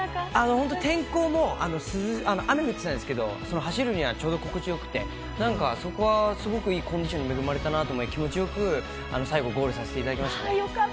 本当、天候も、雨降ってたんですけど、走るにはちょうど心地よくて、なんかそこはすごくいいコンディションに恵まれたなと思って、気持ちよく、最後、ゴールさせていただきました。